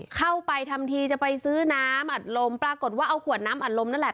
เข้าไปทำทีจะไปซื้อน้ำอัดลมปรากฏว่าเอาขวดน้ำอัดลมนั่นแหละ